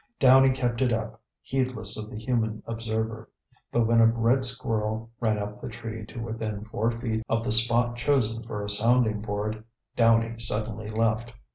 Downy kept it up, heedless of the human observer. But when a red squirrel ran up the tree to within four feet of the spot chosen for a sounding board, Downy suddenly left.